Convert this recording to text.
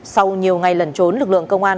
sau nhiều ngày lần trốn lực lượng công an